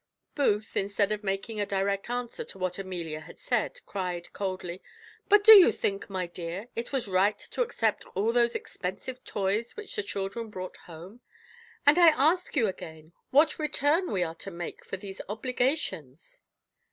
Booth, instead of making a direct answer to what Amelia had said, cried coldly, "But do you think, my dear, it was right to accept all those expensive toys which the children brought home? And I ask you again, what return we are to make for these obligations?"